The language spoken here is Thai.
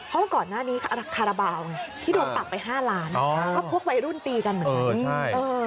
เพราะว่าก่อนหน้านี้คาราบาลที่โดนปรับไป๕ล้านก็พวกวัยรุ่นตีกันเหมือนกัน